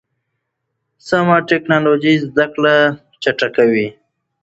سمه ټکنالوژي زده کړه چټکوي.